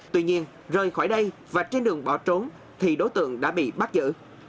tuy nhiên rời khỏi đây và trên đường bỏ trốn thì đối tượng đã bị bắt giữ